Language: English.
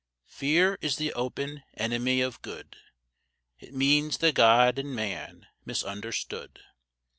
Fear is the open enemy of Good. It means the God in man misunderstood.